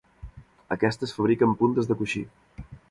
Aquestes fabriquen puntes de coixí.